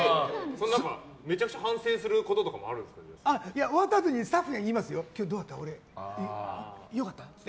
めちゃくちゃ反省することとかも終わったあとにスタッフに言いますよ今日、俺良かった？って聞く。